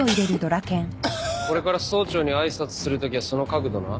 これから総長に挨拶するときはその角度な。